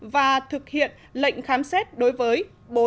và thực hiện lệnh khám xét đối với bốn